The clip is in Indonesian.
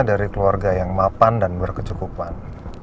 dari keluarga yang mapan dan berkecukupan